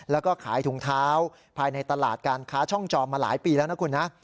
แล้วก็ขายถุงเท้าภายในตลาดการค้าช่องจอมมาหลายปีแล้วนะคุณนะ